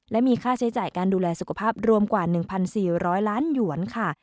และมีค่าใช้จ่ายการดูแลสุขภาพรวมกว่า๑๔๐๐ล้านหยวนค่ะ